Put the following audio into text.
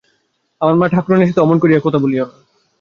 আমার মা-ঠাকরুনের কথা অমন করিয়া বলিয়ো না।